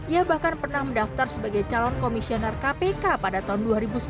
ia bahkan pernah mendaftar sebagai calon komisioner kpk pada tahun dua ribu sepuluh